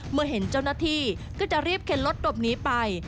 เมื่อเห็นเจ้าหน้าที่ก็จะรีบเข็นรถหลบหนีไป